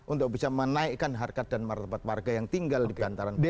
untuk bisa menaikkan harkat dan martabat warga yang tinggal di bantaran